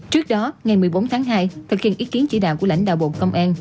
trước đó ngày một mươi bốn tháng hai thực hiện ý kiến chỉ đạo của lãnh đạo bộ công an